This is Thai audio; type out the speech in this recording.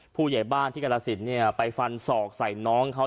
ผู้ใหญ่บ้านที่กรสินเนี่ยไปฟันศอกใส่น้องเขา